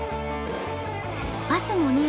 バスもねえ